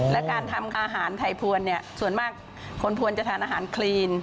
และการทำอาหารไทยพวนเนี่ยส่วนมากคนควรจะทานอาหารคลีน